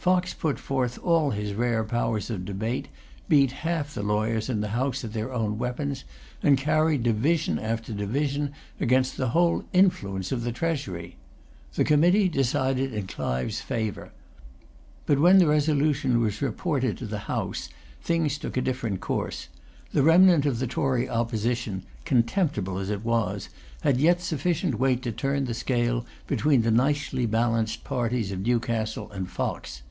Fox put forth all his rare powers of debate, beat half the lawyers in the House at their own weapons, and carried division after division against the whole influence of the Treasury. The committee decided in Clive's favour. But when the resolution was reported to the House, things took a different course. The remnant of the Tory Opposition, contemptible as it was, had yet sufficient weight to turn the scale between the nicely balanced parties of Newcastle and Fox.